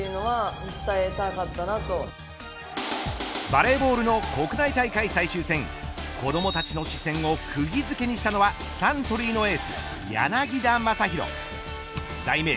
バレーボールの国内大会最終戦子どもたちの視線を釘付けにしたのはサントリーのエース柳田将洋